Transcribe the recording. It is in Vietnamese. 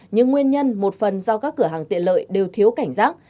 nhưng nguyên nhân một phần do các cửa hàng tiện lợi đều thiếu cảnh giác